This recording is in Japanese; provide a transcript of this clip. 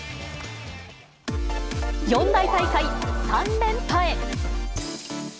四大大会３連覇へ。